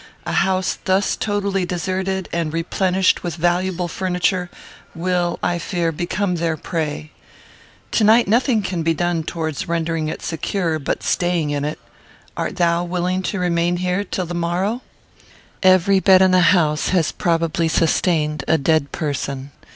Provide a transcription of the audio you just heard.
A house thus totally deserted, and replenished with valuable furniture, will, I fear, become their prey. To night nothing can be done towards rendering it secure, but staying in it. Art thou willing to remain here till the morrow? "Every bed in the house has probably sustained a dead person.